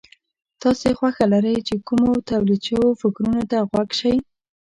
تاسې خوښه لرئ چې کومو توليد شوو فکرونو ته غوږ شئ.